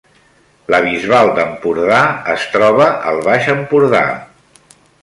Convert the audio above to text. La Bisbal d’Empordà es troba al Baix Empordà